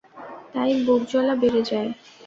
তাই বুকজ্বলা বেড়ে যায়।